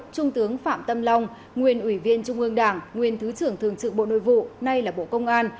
trung tướng phạm tâm long nguyên ủy viên trung ương đảng nguyên thứ trưởng thường trực bộ nội vụ nay là bộ công an